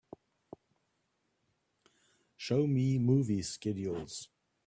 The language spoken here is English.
Show me movie schedules